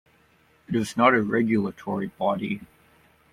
It is not a regulatory body.